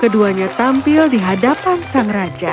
keduanya tampil di hadapan sang raja